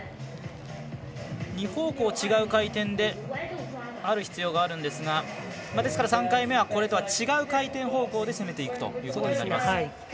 ２方向違う回転である必要があるんですがですから３回目はこれとは違う回転方向で攻めていくということになります。